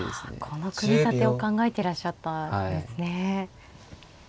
この組み立てを考えてらっしゃったんですね。